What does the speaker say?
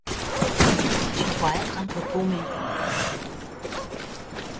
tu dois être un peu paumé.